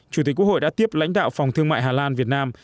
chủ tịch quốc hội đã tiếp lãnh đạo phòng thương mại hà lan việt nam